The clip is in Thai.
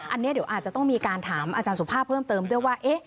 อันนี้เดี๋ยวอาจจะต้องมีการถามอาจารย์สุภาพเพิ่มเติมด้วยว่า